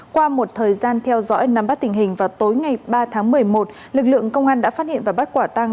qua một thời gian theo dõi nắm bắt tình hình vào tối ngày ba tháng một mươi một lực lượng công an đã phát hiện và bắt quả tăng